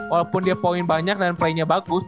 walaupun dia poin banyak dan play nya bagus